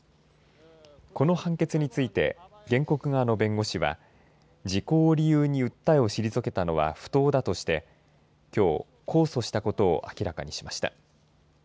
この判決について原告側の弁護士は時効を理由に訴えを退けたの不当だとしてきょう控訴したことを明らかにしました。